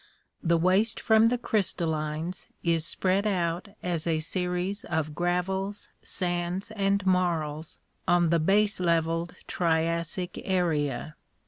The waste from the crystallines is spread out as a series of gravels, sands and marls on the baselevelled Triassic area.